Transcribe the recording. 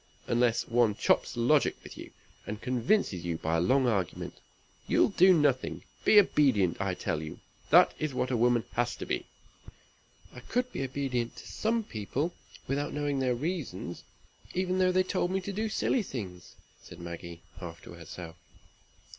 Unless one chops logic with you, and convinces you by a long argument, you'll do nothing. Be obedient, I tell you. That is what a woman has to be." "I could be obedient to some people, without knowing their reasons, even though they told me to do silly things," said Maggie, half to herself.